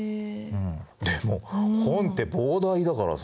でも本って膨大だからさ